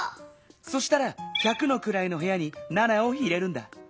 そしたら百のくらいのへやに７を入れるんだ。